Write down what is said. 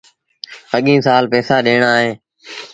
اَڳيٚن سآل پئيٚسآ ڏيڻآ اهيݩ۔